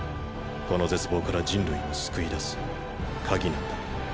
この絶望から人類を救い出す「鍵」なんだ。